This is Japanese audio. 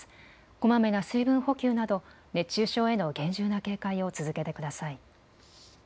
こまめな水分補給など、熱中症への厳重な警戒を続けてください。